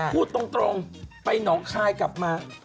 พูดตรงไปหนองคายกลับมา